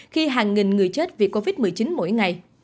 khi hàng nghìn người chết vì covid một mươi chín mỗi ngày